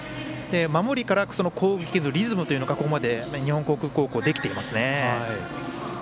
守りから攻撃のリズムというのがここまで日本航空高校できていますね。